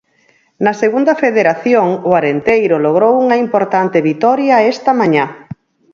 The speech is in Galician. Na Segunda Federación, o Arenteiro logrou unha importante vitoria esta mañá.